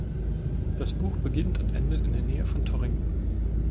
Das Buch beginnt und endet in der Nähe von Torrington.